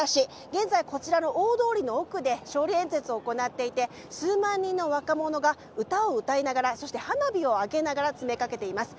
現在、こちらの大通りの奥で、勝利演説を行っていて、数万人の若者が、歌を歌いながら、そして花火を上げながら詰めかけています。